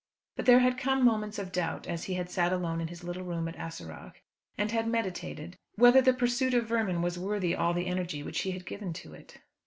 But there had come moments of doubt as he had sat alone in his little room at Ahaseragh and had meditated, whether the pursuit of vermin was worthy all the energy which he had given to it.